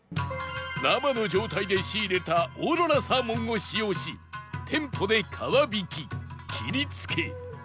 生の状態で仕入れたオーロラサーモンを使用し店舗で皮引き切り付け